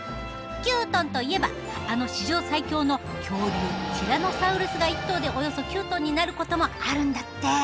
９トンといえばあの史上最強の恐竜ティラノサウルスが１頭でおよそ９トンになることもあるんだって。